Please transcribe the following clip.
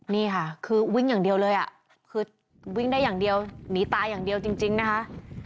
นี่ค่ะคือวิ่งอย่างเดียวเลยอ่ะคือวิ่งได้อย่างเดียวหนีตายอย่างเดียวจริงนะคะ